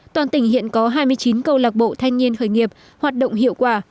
toàn tỉnh hiện có hai mươi chín câu lạc bộ thanh niên khởi nghiệp hoạt động hiệu quả